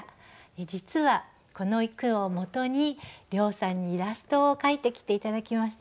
実はこの句をもとに涼さんにイラストを描いてきて頂きました。